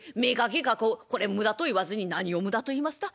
これ無駄と言わずに何を無駄と言いますだ？